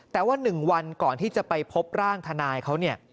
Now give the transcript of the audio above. แต่ว่าหนึ่งวันก่อนที่จะไปพบร่างทนายเขา